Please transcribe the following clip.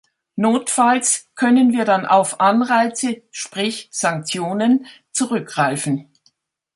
Notfalls können wir dann auf Anreize, sprich Sanktionen, zurückgreifen.